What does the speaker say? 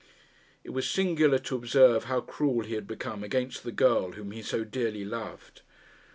It was singular to observe how cruel he had become against the girl whom he so dearly loved.